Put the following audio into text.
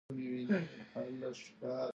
زرکه وړې وړې خبرې کوي